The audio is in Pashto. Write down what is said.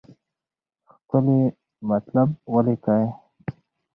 ښکلي مطالب ولیکئ.